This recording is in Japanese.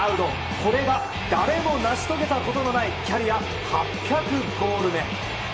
これは誰も成し遂げたことのないキャリア８００ゴール目。